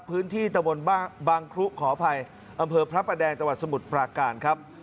พื้นที่ตะบนบางครุขออภัยอำเภอพระประแดงจังหวัดสมุทรปราการครับ